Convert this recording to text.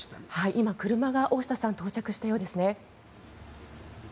今、大下さん車が到着したようですね。